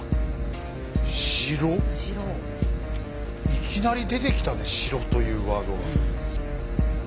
いきなり出てきたね「城」というワードが。